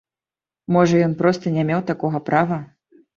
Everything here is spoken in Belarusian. Можа, ён проста не меў такога права?